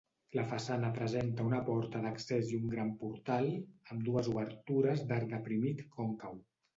La façana presenta una porta d'accés i un gran portal, ambdues obertures d'arc deprimit còncau.